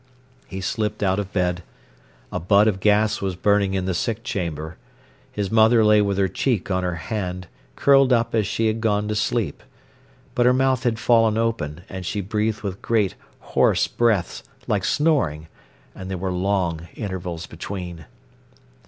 He slipped out of bed. A bud of gas was burning in the sick chamber. His mother lay with her cheek on her hand, curled up as she had gone to sleep. But her mouth had fallen open, and she breathed with great, hoarse breaths, like snoring, and there were long intervals between.